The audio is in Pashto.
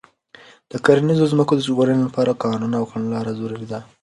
د کرنیزو ځمکو د ژغورنې لپاره قانون او کړنلاره ضروري ده.